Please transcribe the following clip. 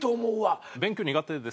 勉強苦手ですか？